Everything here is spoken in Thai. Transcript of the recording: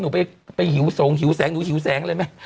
หนูไปหิวสงหิวแสงหนูหิวแสงเลยไหม